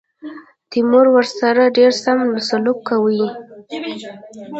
تیمور ورسره ډېر سم سلوک کوي.